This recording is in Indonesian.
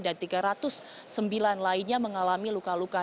dan tiga ratus sembilan lainnya mengalami luka luka